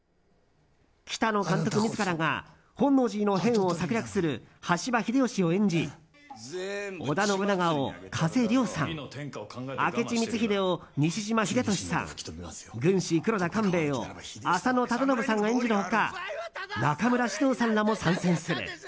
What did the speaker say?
北野監督自らが、本能寺の変を策略する羽柴秀吉を演じ織田信長を加瀬亮さん明智光秀を西島秀俊さん軍師・黒田官兵衛を浅野忠信さんが演じる他中村獅童さんらも参戦する。